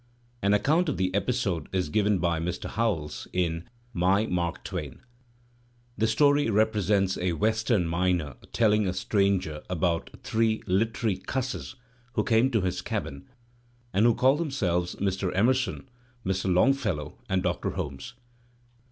An ac count of the episode is given by Mr. Howells in "My Mark Twain. The stoiy represents a western miner telling a stranger about three "litry cusses who came to his cabin, and who called themselves Mr. Emerson, Mr. Longfellow, and Doctor Holmes.